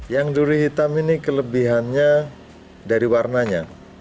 yang duri hitam ini kelebihannya dari warnanya